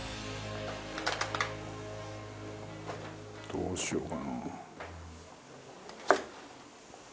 どうしようかな。